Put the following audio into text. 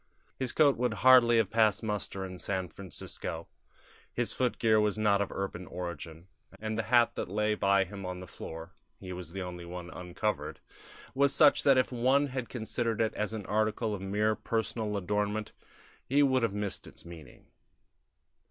His coat would hardly have passed muster in San Francisco: his footgear was not of urban origin, and the hat that lay by him on the floor (he was the only one uncovered) was such that if one had considered it as an article of mere personal adornment he would have missed its meaning.